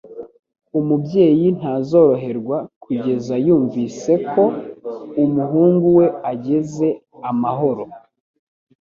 Umubyeyi ntazoroherwa kugeza yumvise ko umuhungu we ageze amahoro